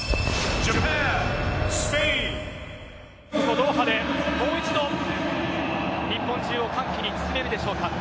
ドーハで、もう一度日本中を歓喜に包めるでしょうか。